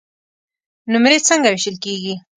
نمرې څنګه وېشل کیږي؟